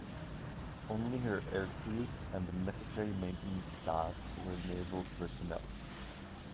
Only her aircrew and the necessary maintenance staff were naval personnel.